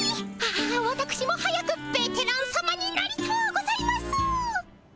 あわたくしも早くベテランさまになりとうございます。